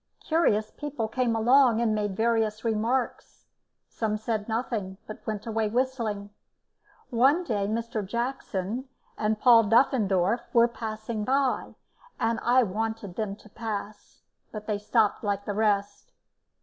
Curious people came along and made various remarks; some said nothing, but went away whistling. One day Mr. Jackson and Paul Duffendorff were passing by, and I wanted them to pass, but they stopped like the rest.